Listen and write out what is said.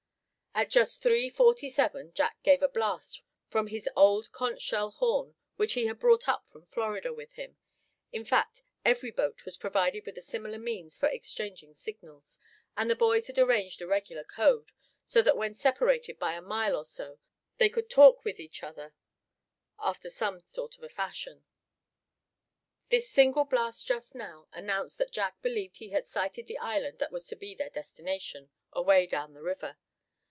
At just three forty seven Jack gave a blast from his old conch shell horn which he had brought up from Florida with him in fact, every boat was provided with a similar means for exchanging signals, and the boys had arranged a regular code, so that when separated by a mile or so they could talk with each other after some sort of fashion. This single blast just now announced that Jack believed he had sighted the island that was to be their destination, away down the river.